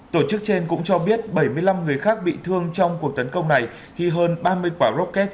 tổ chức trên cũng cho biết bảy mươi năm người khác bị thương trong cuộc tấn công này khi hơn ba mươi quả rocket